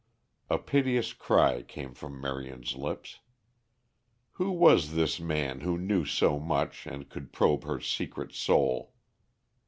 A piteous cry came from Marion's lips. Who was this man who knew so much and could probe her secret soul?